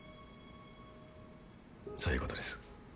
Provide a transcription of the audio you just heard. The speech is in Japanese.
そういうことです。